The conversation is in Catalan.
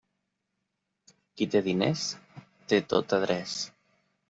Qui té diners té tot adreç.